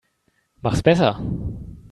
Mach's besser.